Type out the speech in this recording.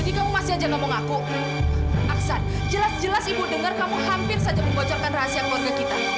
sampai jumpa di video selanjutnya